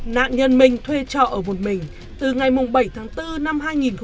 nạn nhân minh thuê trọ ở một mình từ ngày bảy tháng bốn năm hai nghìn hai mươi